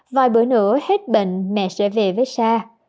vài bữa nữa hết bệnh mẹ sẽ về với xa